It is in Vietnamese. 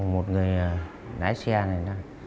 một người lái xe này